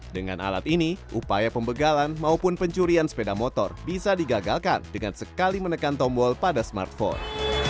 dengan alat ini upaya pembegalan maupun pencurian sepeda motor bisa digagalkan dengan sekali menekan tombol pada smartphone